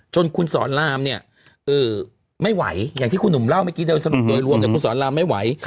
จนคุณสอนรามเนี่ยไม่ไหวอย่างที่คุณหนุ่มเล่าเมื่อกี้โดยสรุปโดยรวมคุณสอนรามไม่ไหว